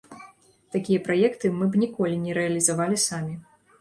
Такія праекты мы б ніколі не рэалізавалі самі.